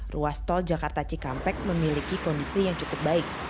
ruas tol jakarta cikampek memiliki kondisi yang cukup baik